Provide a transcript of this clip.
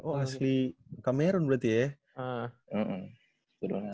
oh asli kamerun berarti ya